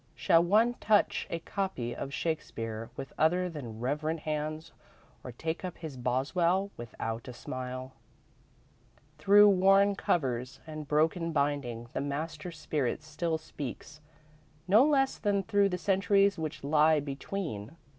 Shall one touch a copy of Shakespeare with other than reverent hands, or take up his Boswell without a smile? Through the worn covers and broken binding the master spirit still speaks, no less than through the centuries which lie between.